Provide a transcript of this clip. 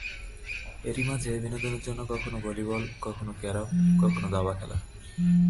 এরই মাঝে বিনোদনের জন্য কখনো ভলিবল, কখনো ক্যারম, কখনো দাবা খেলা।